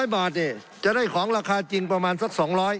๐บาทนี่จะได้ของราคาจริงประมาณสัก๒๐๐บาท